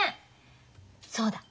そうだ。